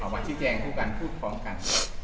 มาชี้แจงพูดกันพูดพร้อมกัน